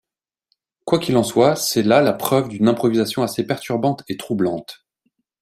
Quoi qu’il en soit, c’est là la preuve d’une improvisation assez perturbante et troublante.